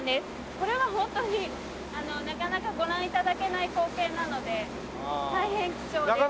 これはホントになかなかご覧頂けない光景なので大変貴重です。